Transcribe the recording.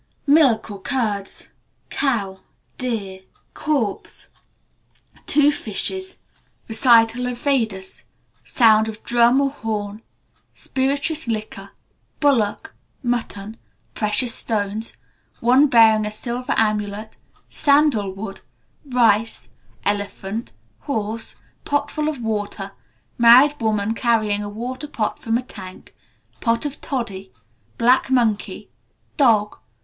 Milk or curds. Cow. Deer. Corpse. Two fishes. Recital of Vedas. Sound of drum or horn. Spirituous liquor. Bullock. Mutton. Precious stones. One bearing a silver armlet. Sandalwood. Rice. Elephant. Horse. Pot full of water. Married woman carrying a water pot from a tank. Pot of toddy. Black monkey. Dog.